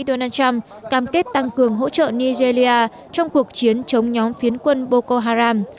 donald trump cam kết tăng cường hỗ trợ nigeria trong cuộc chiến chống nhóm phiến quân boko haram